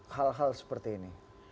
hal hal seperti ini